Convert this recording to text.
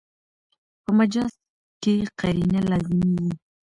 په مجاز کښي قرینه لازمي يي.